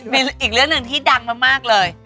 มีอีกเรื่องหนึ่งที่ดังมากเลย